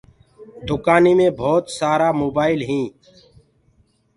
دُڪآنيٚ مي ڀوت سآرآ موبآئل هينٚ